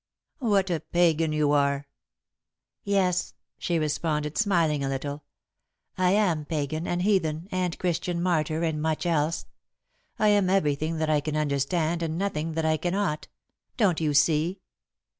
"What a pagan you are!" "Yes," she responded, smiling a little, "I am pagan and heathen and Christian martyr and much else. I am everything that I can understand and nothing that I cannot. Don't you see?"